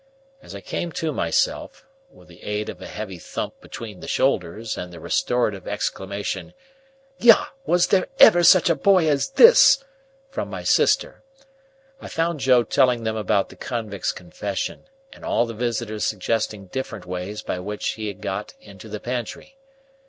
As I came to myself (with the aid of a heavy thump between the shoulders, and the restorative exclamation "Yah! Was there ever such a boy as this!" from my sister,) I found Joe telling them about the convict's confession, and all the visitors suggesting different ways by which he had got into the pantry.